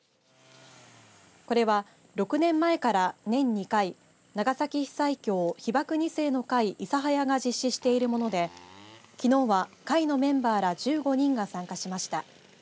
これは６年前から年２回、長崎被災協・被爆二世の会・諫早が実施しているものできのうは会のメンバーら１５人が参加しました。